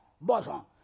ばあさん